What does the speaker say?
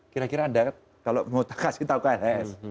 kira kira anda kalau mau kasih tahu klhs